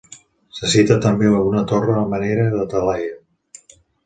Se cita també una torre a manera de talaia.